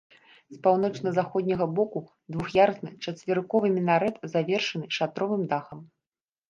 З паўночна-заходняга боку двух'ярусны чацверыковы мінарэт, завершаны шатровым дахам.